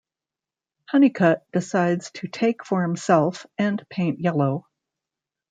Hunnicutt decides to take for himself and paint yellow.